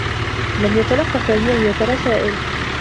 لم يتلقّ سامي أيّة رسائل.